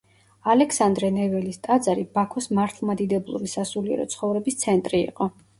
ალექსანდრე ნეველის ტაძარი ბაქოს მართლმადიდებლური სასულიერო ცხოვრების ცენტრი იყო.